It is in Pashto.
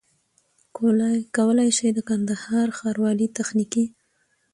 کولای سي چي د کندهار ښاروالۍ تخنيکي